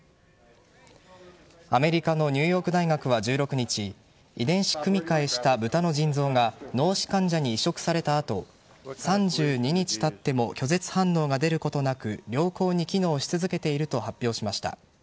アメリカのニューヨーク大学は１６日遺伝子組み換えした豚の腎臓が脳死患者に移植された後３２日たっても拒絶反応が出ることなく良好に機能し続けていると発表しました。